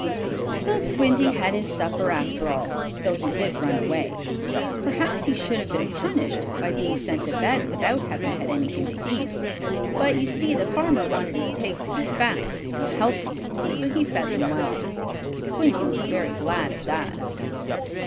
So Squinty had his supper, after all, though he did run away. Perhaps he should have been punished by being sent to bed without having had anything to eat, but you see the farmer wanted his pigs to be fat and healthy, so he fed them well. Squinty was very glad of that.